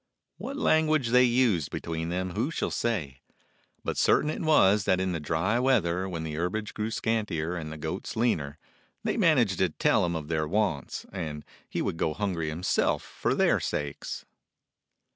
What language they used between them who shall say? But certain it was that in the dry weather, when the herbage grew scantier and the goats leaner, they managed to tell him of their wants, and he would go hungry himself for their sakes.